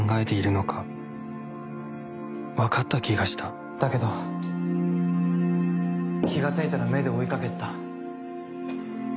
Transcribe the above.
ポンポンだけど気が付いたら目で追いかけてた。